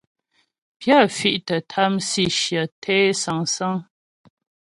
Pyə fì̀' tə́ tâm sǐshyə té sâŋsáŋ.